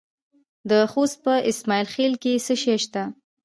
د خوست په اسماعیل خیل کې څه شی شته؟